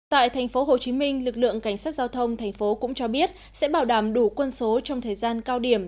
tại tp hcm lực lượng cảnh sát giao thông thành phố cũng cho biết sẽ bảo đảm đủ quân số trong thời gian cao điểm